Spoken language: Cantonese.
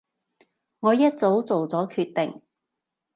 我一早做咗決定